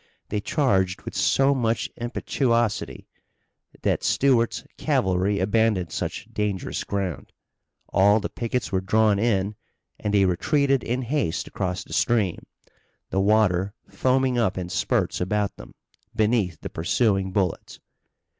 They charged with so much impetuosity that Stuart's cavalry abandoned such dangerous ground. All the pickets were drawn in and they retreated in haste across the stream, the water foaming up in spurts about them beneath the pursuing bullets.